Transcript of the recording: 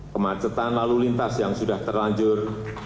kemacetan lalu lintas yang sudah terlanjur